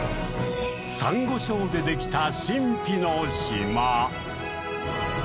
サンゴ礁でできた神秘の島。